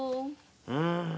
うん。